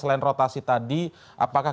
selain rotasi tadi apakah